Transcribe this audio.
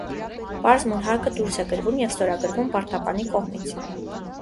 Պարզ մուրհակը դուրս է գրվում և ստորագրվում պարտապանի կողմից։